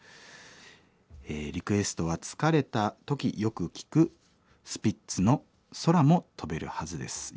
リクエストは疲れた時よく聴くスピッツの『空も飛べるはず』です。